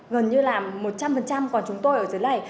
gần như là một trăm linh còn chúng tôi ở dưới này